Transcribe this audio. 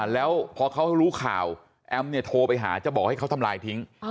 แล้วพอเขารู้ข่าวแอมเนี่ยโทรไปหาจะบอกให้เขาทำลายทิ้ง